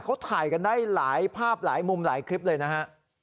เขาถ่ายกันได้หลายภาพหลายมุมหลายคลิปเลยนะฮะ